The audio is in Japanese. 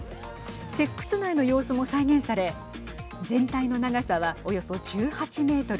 石窟内の様子も再現され全体の長さはおよそ１８メートル。